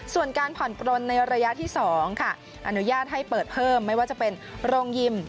ส่วนการผ่อนปลนในระยะที่๒ค่ะอนุญาตให้เปิดเพิ่มไม่ว่าจะเป็นโรงยิม